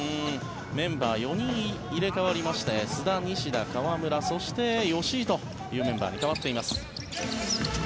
メンバー４人入れ替わりまして須田、西田、河村そして吉井というメンバーに代わっています。